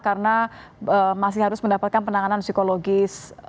karena masih harus mendapatkan penanganan psikologis